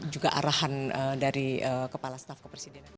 juga arahan dari kepala staf kepresidenan